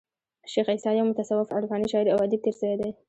شېخ عیسي یو متصوف عرفاني شاعر او ادیب تیر سوى دئ.